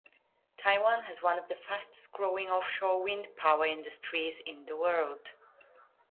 Taiwan has one of the fastest growing offshore wind power industries in the world.